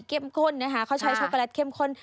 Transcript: เก็บข้นนะคะเค้าใช้ช็อกโกแลตเข้มข้น